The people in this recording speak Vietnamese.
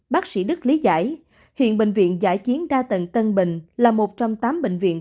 bác sĩ đức lý giải hiện bệnh viện giã chiến đa tầng tân bình là một trong tám bệnh viện